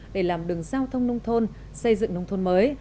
để làm đường giao thông nông thôn xây dựng nông thôn mới